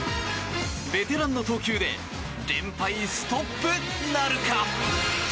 ベテランの投球で連敗ストップなるか？